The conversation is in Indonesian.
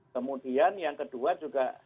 kemudian yang kedua juga